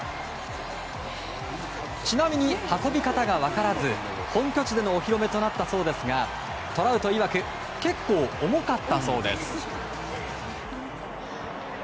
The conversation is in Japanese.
ちなみに、運び方が分からず本拠地でのお披露目となったそうですがトラウトいわく結構重たかったそうです。